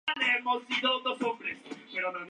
Se estableció en Chascomús.